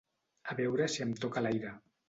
A veure si em toca l'aire.